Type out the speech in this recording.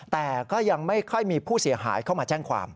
แต่ก็ยังไม่ค่อยมีผู้เสียหายเข้ามาแจ้งความ